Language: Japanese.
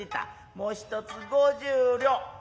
もう一つ五十両。